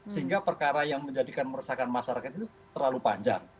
sehingga perkara yang menjadikan meresahkan masyarakat itu terlalu panjang